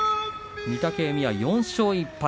御嶽海は４勝１敗